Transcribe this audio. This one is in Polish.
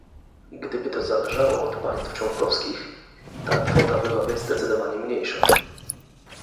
Gdyby to zależało od państw członkowskich, ta kwota byłaby zdecydowanie mniejsza